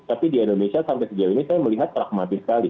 tapi di indonesia sampai sejauh ini saya melihat pragmatis sekali